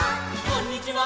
「こんにちは」「」